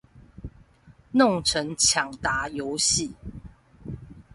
弄成搶答遊戲